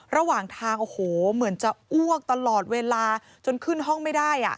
ระหว่างทางโอ้โหเหมือนจะอ้วกตลอดเวลาจนขึ้นห้องไม่ได้